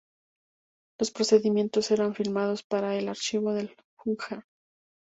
Los procedimientos eran filmados para el archivo del Führer.